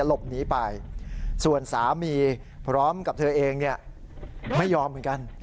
หลบหนีไปส่วนสามีพร้อมกับเธอเองไม่ยอมเหมือนกัน